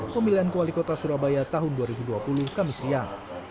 pemilihan kuali kota surabaya tahun dua ribu dua puluh kami siang